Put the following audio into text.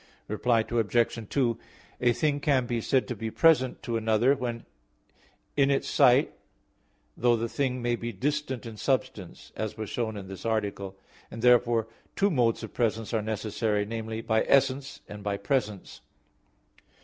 Reply Obj. 2: A thing can be said to be present to another, when in its sight, though the thing may be distant in substance, as was shown in this article; and therefore two modes of presence are necessary; viz. by essence and by presence.